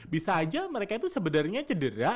bisa aja mereka itu sebenarnya cedera